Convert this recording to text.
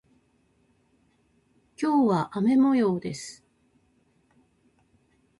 今日は雨模様です。